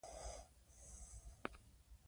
ځوانان د دښمن پر وړاندې بې خوف جګړه کوي.